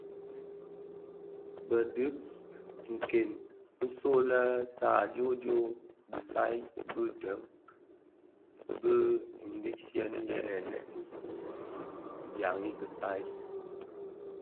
Bëdhub këň nso lè sadioodioo bisai bị dèm i ndigsièn yè nèm nèm dyan i kisaï.